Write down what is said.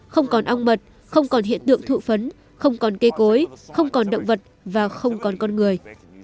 không còn ong mật không còn hiện tượng thụ phấn không còn cây cối không còn động vật và không còn con người